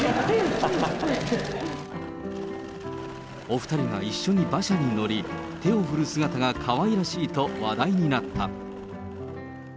お２人が一緒に馬車に乗り、手を振る姿がかわいらしいと話題になった。